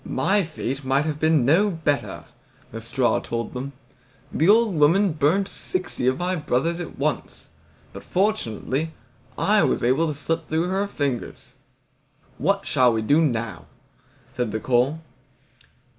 "My fate might have been no better," the straw told them. "The old woman burnt sixty of my brothers at once, but fortunately I was able to slip through her fingers." "What shall we do now?" said the coal.